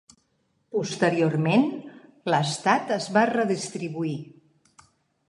Posteriorment, l'estat es va redistribuir.